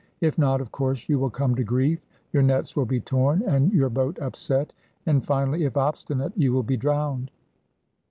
If not, of course, you will come to grief; your nets will be torn, and your boat upset; and finally, if obstinate, you will be drowned.